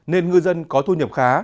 nên ngư dân có thu nhập khá